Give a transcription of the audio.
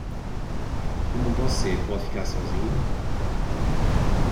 Como você pode ficar sozinho?